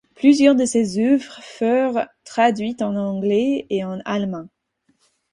Plusieurs de ses œuvres furent traduites en anglais et en allemand.